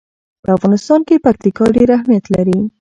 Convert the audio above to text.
په افغانستان کې پکتیکا ډېر اهمیت لري.